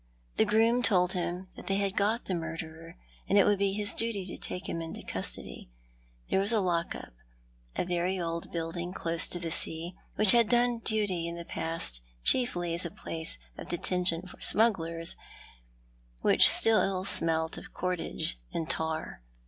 The groom told him that they had got the murderer, and it would be his duty to take him into custody. There was a lock up — a very old building close to the sea, which had done duty in the past chiefly as a place of detention for smugglers, and which still smelt of cordage and tar.